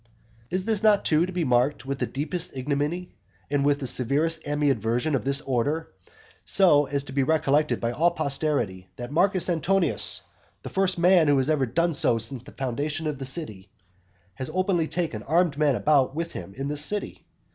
Is not this, too, to be marked with the deepest ignominy, and with the severest animadversion of this order, so as to be recollected by all posterity, that Marcus Antonius (the first man who has ever done so since the foundation of the city) has openly taken armed men about with him in this city?